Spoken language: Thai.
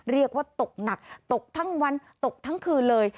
เรียกว่าตกหนักตกทั้งวันตกทั้งคืนเลย